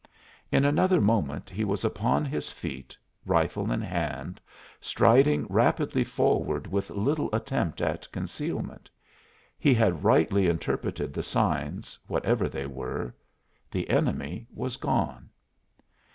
In another moment he was upon his feet, rifle in hand, striding rapidly forward with little attempt at concealment. He had rightly interpreted the signs, whatever they were; the enemy was gone.